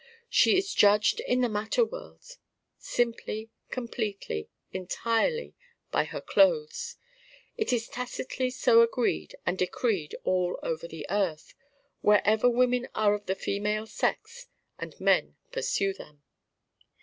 She is judged in the matter world simply, completely, entirely by her clothes. It is tacitly so agreed and decreed all over the earth wherever women are of the female sex and men pursue them.